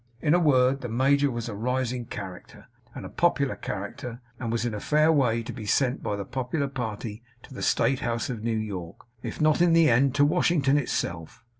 In a word, the major was a rising character, and a popular character, and was in a fair way to be sent by the popular party to the State House of New York, if not in the end to Washington itself.